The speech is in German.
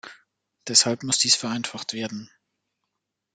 Deshalb muss dies vereinfacht werden.